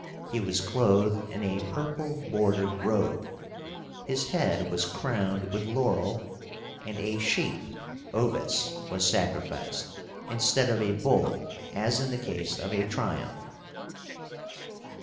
He was clothed in a purple bordered robe. His head was crowned with laurel, and a sheep (ovis) was sacrificed, instead of a bull as in the case of a triumph.